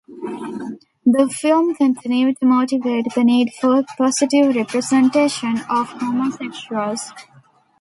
The film continued to motivate the need for positive representation of homosexuals.